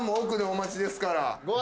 お待ちですから。